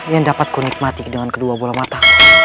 yang dapat ku nikmati dengan kedua bola mata